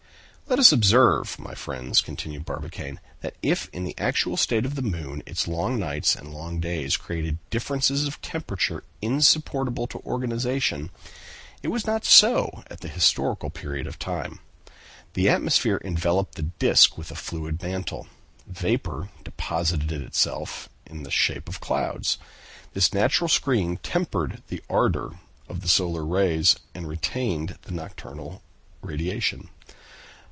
"Let us observe, my friends," continued Barbicane, "that if in the actual state of the moon its long nights and long days created differences of temperature insupportable to organization, it was not so at the historical period of time. The atmosphere enveloped the disc with a fluid mantle; vapor deposited itself in the shape of clouds; this natural screen tempered the ardor of the solar rays, and retained the nocturnal radiation.